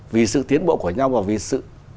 vì sự tiến bộ của nhau và vì sự